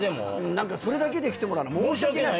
何かそれだけで来てもらうの申し訳ない。